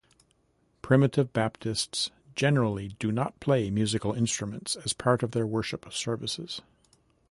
Primitive Baptists generally do not play musical instruments as part of their worship services.